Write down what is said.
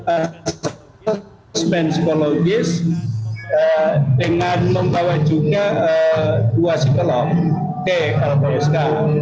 aspek psikologis dengan membawa juga dua psikolog ke lpsk